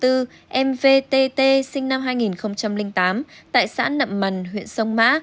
em vtt sinh năm hai nghìn tám tại xã nậm mần huyện sông mã